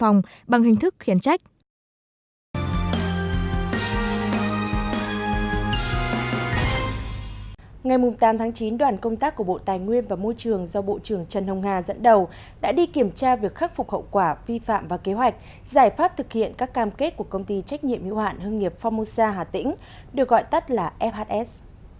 ngày tám tháng chín đoàn công tác của bộ tài nguyên và môi trường do bộ trưởng trần hồng hà dẫn đầu đã đi kiểm tra việc khắc phục hậu quả vi phạm và kế hoạch giải pháp thực hiện các cam kết của công ty trách nhiệm hiệu hạn hương nghiệp phongmosa hà tĩnh được gọi tắt là fhs